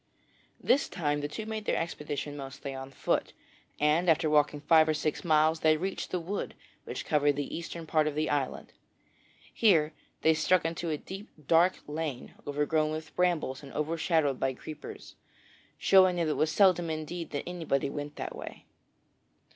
This time the two made their expedition mostly on foot, and after walking five or six miles they reached a wood which covered the eastern part of the island. Here they struck into a deep dark lane overgrown with brambles and overshadowed by creepers, showing that it was seldom indeed that anybody went that way.